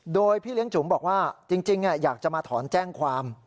โดยพี่เลี้ยงจุ๋มบอกว่าจริงอยากจะมาถอนแจ้งความ